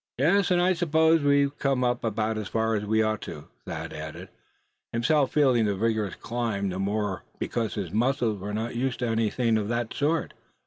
"Yes, and I suppose we've come up about as far as we ought," Thad added, himself feeling the vigorous climb the more because his muscles were not used to anything of that sort.